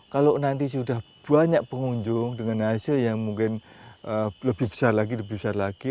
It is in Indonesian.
kalau nanti sudah banyak pengunjung dengan hasil yang mungkin lebih besar lagi lebih besar lagi